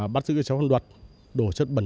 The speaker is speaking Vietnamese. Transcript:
bắt giữ người trái pháp luật đổ chất bẩn